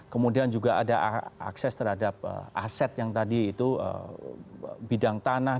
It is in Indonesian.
kemudian juga ada akses terhadap aset yang tadi itu bidang tanah